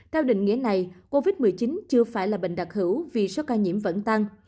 theo định nghĩa này covid một mươi chín chưa phải là bệnh đặc hữu vì số ca nhiễm vẫn tăng